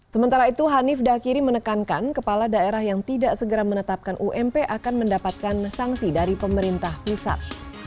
sementara itu hanif dakiri menekankan kepala daerah yang tidak segera menetapkan ump akan mendapatkan sanksi dari pemerintah pusat